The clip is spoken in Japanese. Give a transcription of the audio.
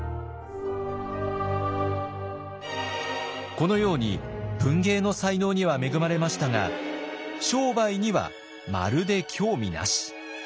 このように文芸の才能には恵まれましたが商売にはまるで興味なし。